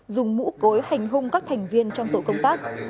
dùng mũ cối hành hung các thành viên trong tổ công tác